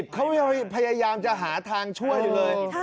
เขายังจะหาทางช่วยเลย